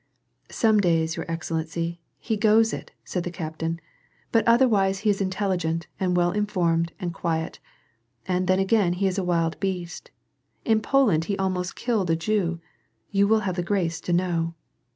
" Some days, your excellency, he goes it," said the captain, " but otherwise he is intelligent and well informed and quiet. And then again he is a wild beast. In Poland he almost killed a Jew, you will have the grace to know."